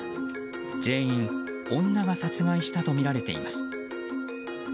全員、女が殺害したとみられています。